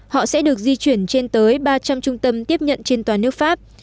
họ sẽ được di chuyển trên tới ba trăm linh trung tâm tiếp nhận trên toàn nước pháp